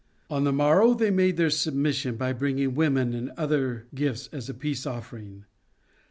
On the morrow they made their submission, bringing women and other gifts as a peace offering.